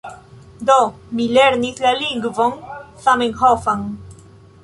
Do, mi lernis la lingvon Zamenhofan.